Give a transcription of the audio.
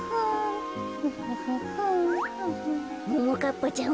ももかっぱちゃん